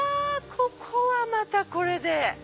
ここはまたこれで。